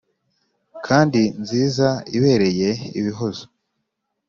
kandi nziza ibereye ibihozo.